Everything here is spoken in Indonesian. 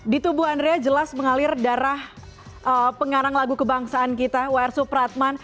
di tubuh andrea jelas mengalir darah pengarang lagu kebangsaan kita wr supratman